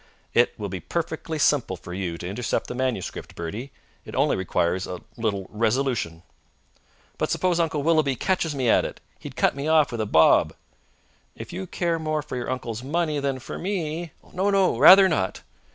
It will be perfectly simple for you to intercept the manuscript, Bertie. It only requires a little resolution." "But suppose Uncle Willoughby catches me at it? He'd cut me off with a bob." "If you care more for your uncle's money than for me " "No, no! Rather not!"